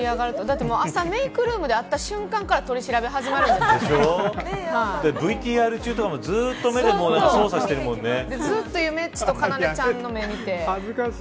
朝、メークルームで会った瞬間から取り調べがＶＴＲ中もずっと、ゆめっちとかなでちゃんの目を見て。